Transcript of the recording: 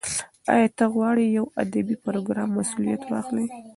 ایا ته غواړې د یو ادبي پروګرام مسولیت واخلې؟